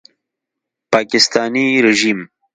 پاکستاني ریژیم